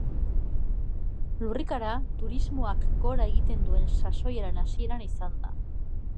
Lurrikara turismoak gora egiten duen sasoiaren hasieran izan da.